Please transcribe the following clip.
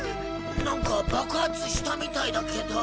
何か爆発したみたいだけど。